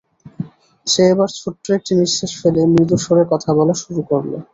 সে এবার ছোট্ট একটি নিঃশ্বাস ফেলে মৃদু স্বরে কথা বলা শুরু করল।